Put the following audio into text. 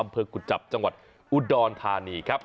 อำเภอกุจจับจังหวัดอุดรธานีครับ